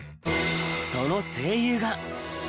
その声優が。